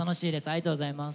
ありがとうございます。